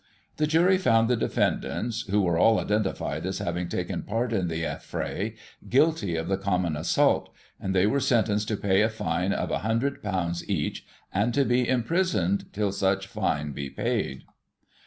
The jury found the defendants (who were all identified as having taken part in the affray) guilty of the common assault, and they were sentenced to pay a fine of ;£^ioo each, eind to be imprisoned till such fine be paid.